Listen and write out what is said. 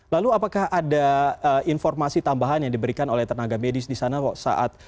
lalu apakah ada informasi tambahan yang diberikan oleh tenaga medis di sana saat